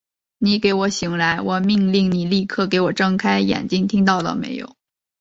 你给我醒来！我命令你立刻给我睁开眼睛，听到了没有！